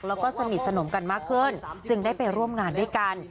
แล้วก็สนิทสนมกันมากขึ้นจึงได้ไปร่วมงานด้วยกัน